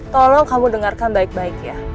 tolong kamu dengarkan baik baik ya